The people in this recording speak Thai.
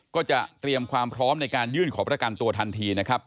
ก็จะเตรียมความพร้อมในการยื่นขอประกันตัวทันทีนะครับ